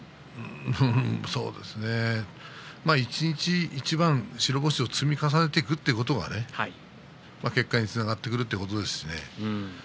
そうですね一日一番白星を積み重ねていくということが結果につながってくるということですしね。